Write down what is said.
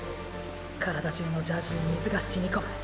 体中のジャージに水が浸み込む。